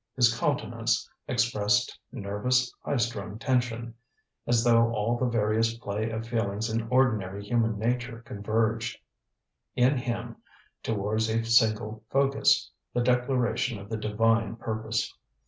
His countenance expressed nervous, high strung tension, as though all the various play of feelings in ordinary human nature converged, in him, towards a single focus, the declaration of the divine purpose.